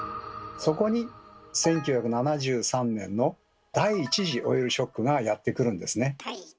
そこに１９７３年の第１次オイルショックがやって来るんですね。